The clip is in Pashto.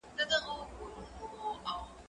زه پرون پلان جوړ کړ؟!